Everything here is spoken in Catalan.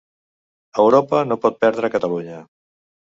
Europa no pot perdre Catalunya